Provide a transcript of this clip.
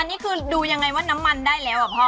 อันนี้คือดูยังไงว่าน้ำมันได้แล้วอ่ะพ่อ